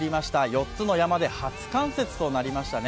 ４つの山で初冠雪となりましたね。